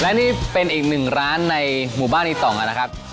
และนี่เป็นอีกหนึ่งร้านในหมู่บ้านอีต่องนะครับ